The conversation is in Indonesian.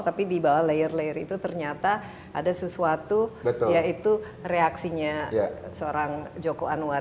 tapi di bawah layer layer itu ternyata ada sesuatu yaitu reaksinya seorang joko anwar